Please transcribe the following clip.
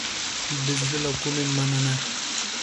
د زړه له کومې مننه